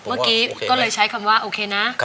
เมื่อกี้ก็เลยใช้คำว่าโอเคนะ